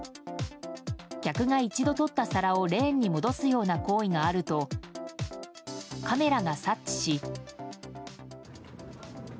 客が一度取った皿をレーンに戻すような行為があるとカメラが察知し。